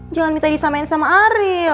jangan minta disamain sama ariel